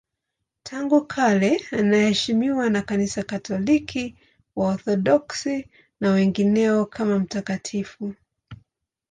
Tangu kale anaheshimiwa na Kanisa Katoliki, Waorthodoksi na wengineo kama mtakatifu.